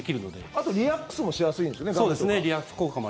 あと、リラックスもしやすいんですよね。